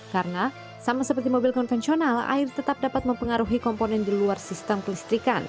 karena sama seperti mobil konvensional air tetap dapat mempengaruhi komponen di luar sistem kelistrikan